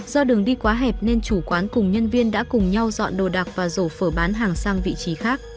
do đường đi quá hẹp nên chủ quán cùng nhân viên đã cùng nhau dọn đồ đạc và rổ phở bán hàng sang vị trí khác